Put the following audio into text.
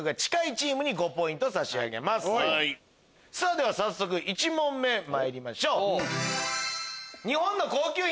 では早速１問目参りましょう。